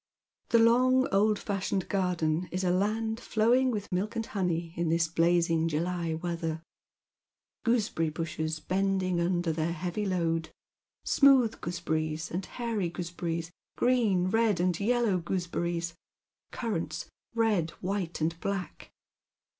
The long old fashioned garden is a land flowing vrith milk and honey in this blazing July weather. Gooseberry bushes bending under their heavy load ; smooth gooseberries and hairy goose berries, green, red, and yellow gooseberries, currants red, wliite, and black.